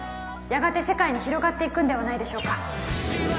やがて世界に広がっていくんではないでしょうか